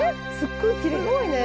すっごいきれい！